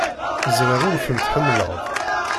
Ẓriɣ ur tent-tḥemmleḍ.